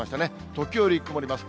時折曇ります。